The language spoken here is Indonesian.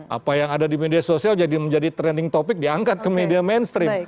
apa yang ada di media sosial jadi menjadi trending topic diangkat ke media mainstream